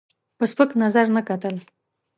په سپک نظر نه کتل.